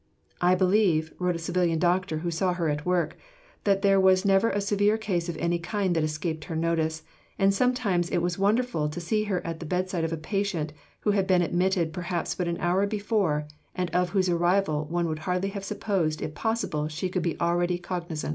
'" "I believe," wrote a Civilian doctor who saw her at work, "that there was never a severe case of any kind that escaped her notice, and sometimes it was wonderful to see her at the bedside of a patient who had been admitted perhaps but an hour before, and of whose arrival one would hardly have supposed it possible she could be already cognisant."